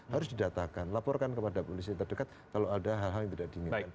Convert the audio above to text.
harus didatakan laporkan kepada polisi terdekat kalau ada hal hal yang tidak diinginkan